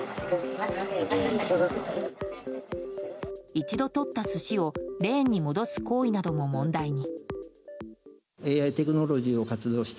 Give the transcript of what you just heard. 一度とった寿司をレーンに戻す行為なども問題に。